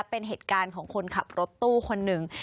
เป็นเหตุการณ์ของคนขับรถตู้คนหนึ่ง